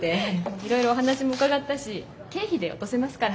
いろいろお話も伺ったし経費で落とせますから。